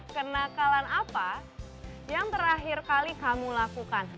kenakalan apa yang terakhir kali kamu lakukan